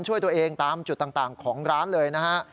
ช่วยตัวเองตามจุดต่างของร้านเลยนะฮะ